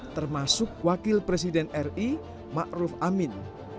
termasuk wakil presiden ri ma'ruf amin